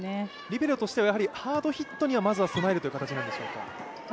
リベロとしては、ハードヒットにはまずは備えるという形なんでしょうか？